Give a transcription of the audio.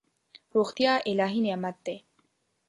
روغتیا الهي نعمت دی.